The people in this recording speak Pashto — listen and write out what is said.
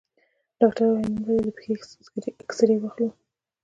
ډاکتر وويل نن به دې د پښې اكسرې واخلو.